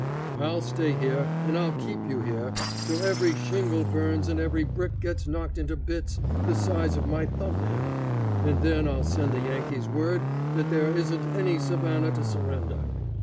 I'll stay here, and I'll keep you here, till every shingle burns and every brick gets knocked into bits the size of my thumb nail, and then I'll send the Yankees word that there isn't any Savannah to surrender.